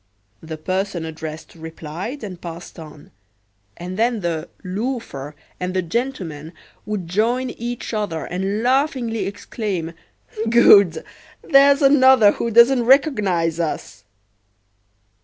The person addressed replied and passed on; and then the "loafer" and the gentleman would join each other and laughingly exclaim: "Good! there's another who doesn't recognize us."